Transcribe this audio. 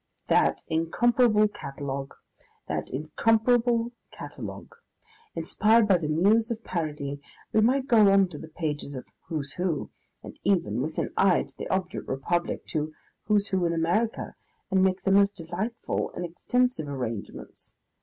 That incomparable catalogue! That incomparable catalogue! Inspired by the Muse of Parody, we might go on to the pages of "Who's Who," and even, with an eye to the obdurate republic, to "Who's Who in America," and make the most delightful and extensive arrangements.